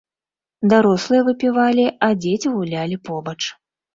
Дарослыя выпівалі, а дзеці гулялі побач.